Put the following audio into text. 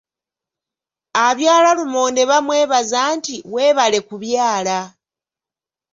Abyala lumonde bamwebaza nti webale kubyala.